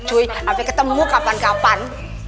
cuy sampai ketemu kapan kapan